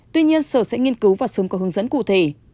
tuy nhiên sở sẽ nghiên cứu và sớm có hướng dẫn cụ thể